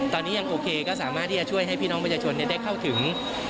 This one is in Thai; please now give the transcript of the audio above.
ตอนนี้ยังโอเคก็สามารถที่จะช่วยให้พี่น้องประชาชนได้เข้าถึง